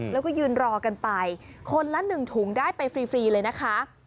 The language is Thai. แล้วก็ยืนรอกันไปคนละ๑ถุงได้ไปฟรีเลยนะคะ